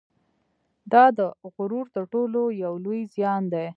دا د غرور تر ټولو یو لوی زیان دی